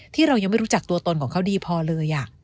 ที่เรายังไม่รู้จักตัวตนของเขาดีพอเลย